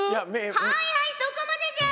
はいはいそこまでじゃ！